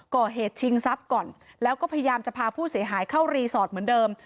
ก่อเหตุชิงทรัพย์ก่อนแล้วก็พยายามจะพาผู้เสียหายเข้ารีสอร์ทเหมือนเดิม